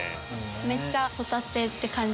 めっちゃホタテ！って感じ